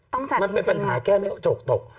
มันเป็นปัญหาแก้ไม่จบตก